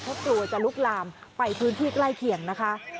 เพราะกลัวจะลุกลามไปพื้นที่ใกล้เคียงนะคะ